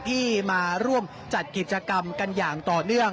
ที่มาร่วมจัดกิจกรรมกันอย่างต่อเนื่อง